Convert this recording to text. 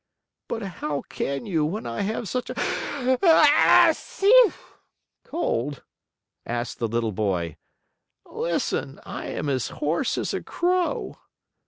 "But how can you when I have such a cold?" asked the little boy. "Listen. I am as hoarse as a crow."